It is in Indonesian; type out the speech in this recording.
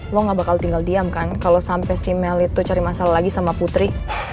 lo gak bakal tinggal diam kan kalau sampai si mel itu cari masalah lagi sama putri